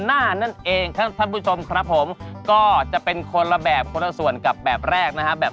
ตามแอฟผู้ชมห้องน้ำด้านนอกกันเลยดีกว่าครับ